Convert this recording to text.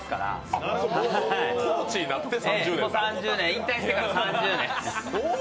引退してから３０年です。